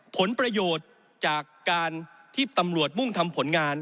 ผลประโยชน์จากการที่ตำรวจมุ่งทำผลงาน